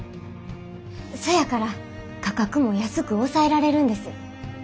そやから価格も安く抑えられるんです。